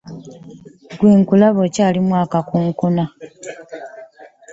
Ggwe nkulaba okyalimu akakunkuna.